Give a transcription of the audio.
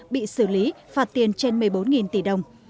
bị xử lý phạt tiền trên một mươi bốn tỷ đồng